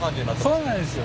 そうなんですよ。